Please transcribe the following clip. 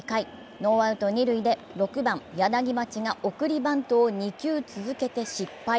ノーアウト二塁で６番・柳町が送りバントを２球続けて失敗。